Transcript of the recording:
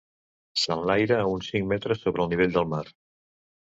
S'enlaira uns cinc metres sobre el nivell del mar.